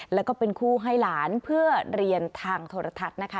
แล้วก็เป็นคู่ให้หลานเพื่อเรียนทางโทรทัศน์นะคะ